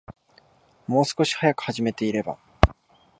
もう少し早く始めていれば